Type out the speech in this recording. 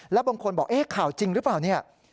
และบางคนบอกข่าวจริงหรือเปล่า